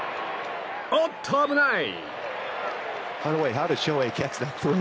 おっと、危ない！